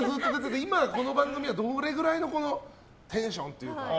今はこの番組はどのぐらいのテンションというか。